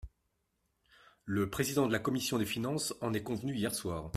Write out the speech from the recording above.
Le président de la commission des finances en est convenu hier soir.